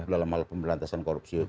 dalam hal pembelantasan korupsi